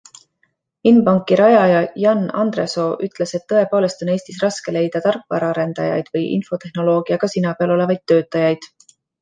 Inbanki rajaja Jan Andresoo ütles, et tõepoolest on Eestis raske leida tarkvaraarendajaid või infotehnoloogiaga sina peal olevaid töötajaid.